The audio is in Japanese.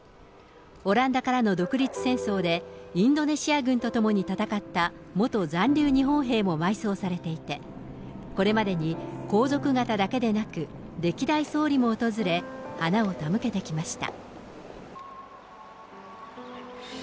オランダからの独立戦争で、インドネシア軍と共に戦った元残留日本兵も埋葬されていて、これまでに、皇族方だけでなく、歴代総理も訪れ、花を手向けてきました。